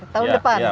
tahun depan ya